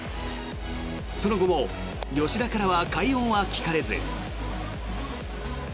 その後も吉田からは快音は聞かれず。